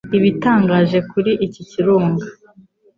igitangaje kuri iki kirunga